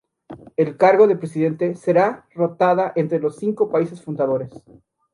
El cargo de presidente será rotada entre los cinco países fundadores.